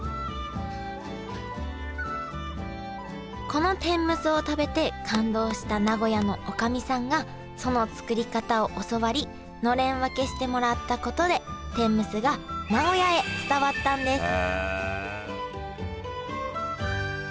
この天むすを食べて感動した名古屋のおかみさんがその作り方を教わりのれん分けしてもらったことで天むすが名古屋へ伝わったんです